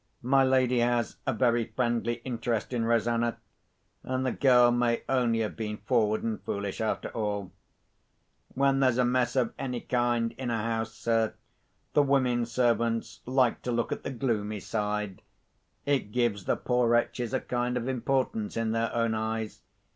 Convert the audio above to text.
My lady has a very friendly interest in Rosanna; and the girl may only have been forward and foolish, after all. When there's a mess of any kind in a house, sir, the women servants like to look at the gloomy side—it gives the poor wretches a kind of importance in their own eyes.